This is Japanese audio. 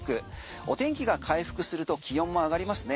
お天気が回復すると気温も上がりますね